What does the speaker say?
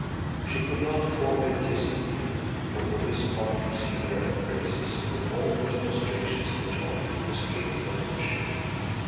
She could not forbear kissing the youth, who, for his part, received her embraces with all the demonstrations of joy he was capable of shewing.